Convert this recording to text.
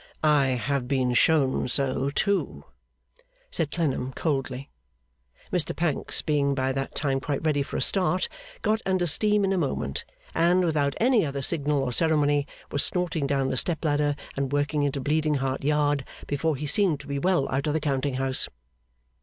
'I have been shown so too,' said Clennam, coldly. Mr Pancks, being by that time quite ready for a start, got under steam in a moment, and, without any other signal or ceremony, was snorting down the step ladder and working into Bleeding Heart Yard, before he seemed to be well out of the counting house.